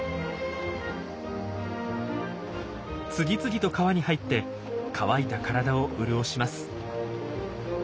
次々と川に入って乾いた体を潤します。